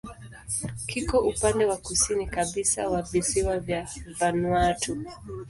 Kiko upande wa kusini kabisa wa visiwa vya Vanuatu.